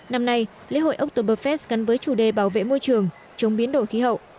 năm nay lễ hội oktoberfest gắn với chủ đề bảo vệ môi trường chống biến đổi khí hậu